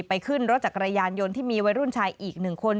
ขึ้นรถจักรยานยนต์ที่มีวัยรุ่นชายอีกหนึ่งคน